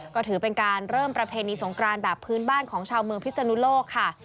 ก็ถือเป็นการเริ่มประเพณีสงกรานแบบพื้นบ้านของชาวเมืองพิศนุโลกค่ะ